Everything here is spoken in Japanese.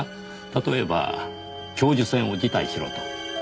例えば教授選を辞退しろと。